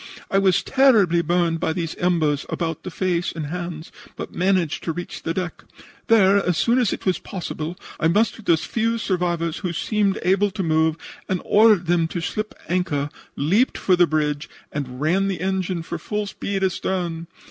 I was terribly burned by these embers about the face and hands, but managed to reach the deck. Then, as soon as it was possible, I mustered the few survivors who seemed able to move, ordered them to slip the anchor, leaped for the bridge and ran the engine for full speed astern.